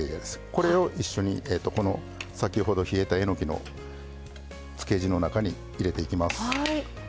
これを一緒に先ほど冷えたえのきのつけ汁の中に入れていきます。